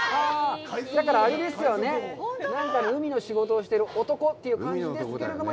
だからあれですよね、海の仕事をしてる男という感じですけれども、